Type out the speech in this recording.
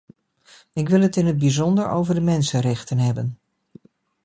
Ik wil het in het bijzonder over de mensenrechten hebben.